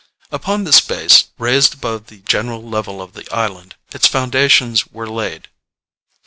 Upon this base, raised above the general level of the island, its foundations were laid.